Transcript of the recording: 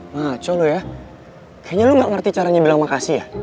maco lo ya kayaknya lo gak ngerti caranya bilang makasih ya